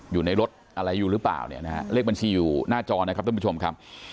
อยู่ในรถอะไรอยู่หรือเปล่าเนี่ยนะฮะเลขบัญชีอยู่หน้าจอนะครับท่านผู้ชมครับ